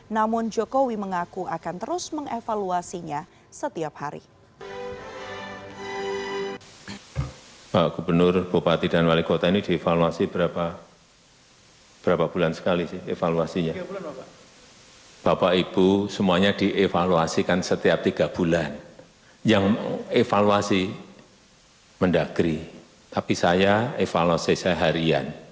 namun jokowi mengaku akan terus mengevaluasinya setiap hari